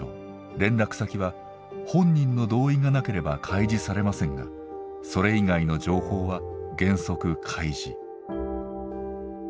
連絡先は本人の同意がなければ開示されませんがそれ以外の情報は原則開示。